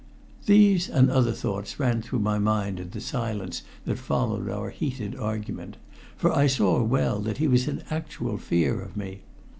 These and other thoughts ran through my mind in the silence that followed our heated argument, for I saw well that he was in actual fear of me.